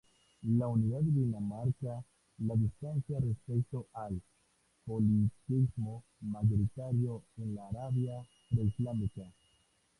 La unidad divina marca la distancia respecto al politeísmo, mayoritario en la Arabia preislámica.